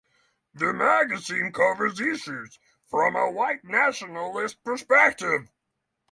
The magazine covers issues from a white nationalist perspective.